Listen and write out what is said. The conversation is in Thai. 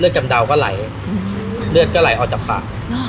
เลือดจำดาวก็ไหลเลือดก็ไหลออกจากปากอ๋อ